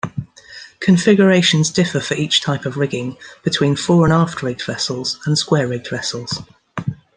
Configurations differ for each type of rigging, between "fore-and-aft rigged" vessels and "square-rigged" vessels.